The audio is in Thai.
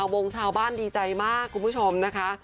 วงชาวบ้านดีใจมากคุณผู้ชมนะคะ